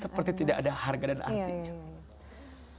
seperti tidak ada harga dan artinya